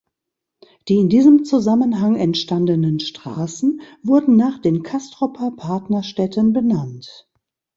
Die in diesem Zusammenhang entstandenen Straßen wurden nach den Castroper Partnerstädten benannt.